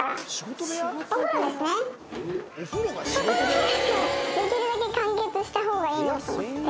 そこの部屋でできるだけ完結したほうがいいなと思って。